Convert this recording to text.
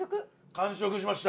完食しました。